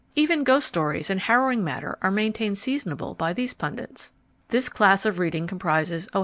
Even ghost stories and harrowing matter are maintained seasonable by these pundits. This class of reading comprises O.